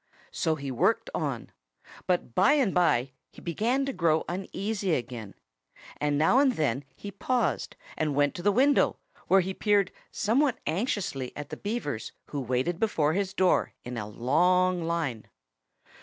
So he worked on. But by and by he began to grow uneasy again. And now and then he paused and went to the window, where he peered somewhat anxiously at the Beavers who waited before his door in a long line.